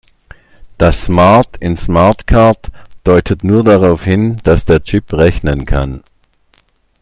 Das "smart" in SmartCard deutet nur darauf hin, dass der Chip rechnen kann.